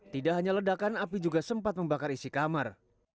tidak hanya ledakan api juga sempat membakar isi kamar